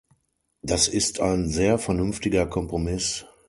Das ist ein sehr vernünftiger Kompromiss.